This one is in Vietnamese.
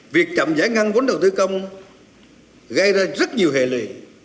việc chậm giải ngân vốn đầu tư công gây ra rất nhiều hệ lụy